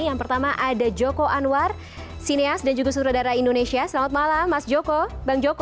yang pertama ada joko anwar sineas dan juga suruh darah indonesia selamat malam mas joko bang joko